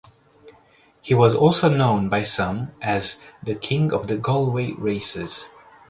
He was also known by some as the "King of the Galway Races".